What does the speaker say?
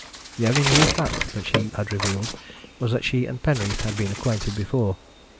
The only new fact that she had revealed was that she and Penreath had been acquainted before.